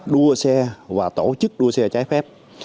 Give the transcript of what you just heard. đua xe và tổ chức đua xe trái phép